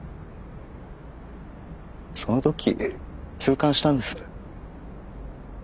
その時痛感したんです。